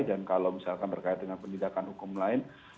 dan kalau misalkan berkait dengan pendidikan hukum lain